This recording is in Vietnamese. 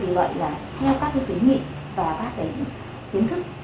vì vậy là theo các cái kế nghị và các cái kiến thức